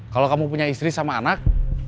kalau kamu punya istri sama anak